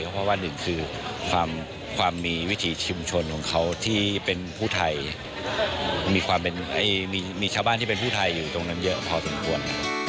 เพราะว่าหนึ่งคือความมีวิถีชุมชนของเขาที่เป็นผู้ไทยมีความมีชาวบ้านที่เป็นผู้ไทยอยู่ตรงนั้นเยอะพอสมควร